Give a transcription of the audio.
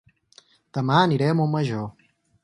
Dema aniré a Montmajor